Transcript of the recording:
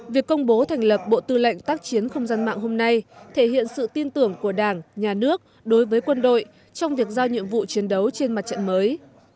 việc công bố thành lập bộ tư lệnh tác chiến không gian mạng hôm nay thể hiện sự tin tưởng của đảng nhà nước đối với quân đội trong việc giao nhiệm vụ chiến đấu trên mặt trận mới